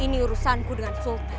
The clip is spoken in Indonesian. ini urusanku dengan sultan